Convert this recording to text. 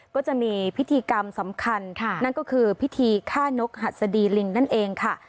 ก็จะมีพิธีกรรมสำคัญนั่นก็คือพิธีฆ่านกหัสดีลิงนั่นเองค่ะ